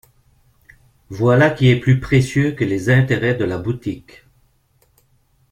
Voilà qui est plus précieux que les intérêts de la boutique!